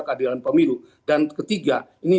keadilan pemilu dan ketiga ini